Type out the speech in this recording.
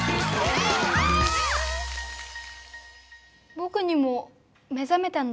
ぼくにも目ざめたんだ。